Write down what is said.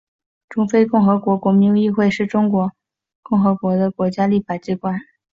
中非共和国国民议会是中非共和国的国家立法机关。